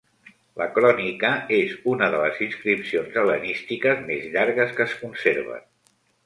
La crònica és una de les inscripcions hel·lenístiques més llargues que es conserven.